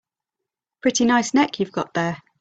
Pretty nice neck you've got there.